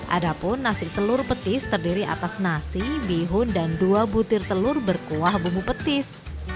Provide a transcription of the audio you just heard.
ada pun nasi telur petis terdiri atas nasi bihun dan dua butir telur berkuah bumbu petis